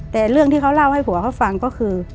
แต่เรื่องที่เขาเล่าให้ผัวเขาฟังก็คือ